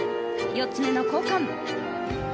４つ目の交換。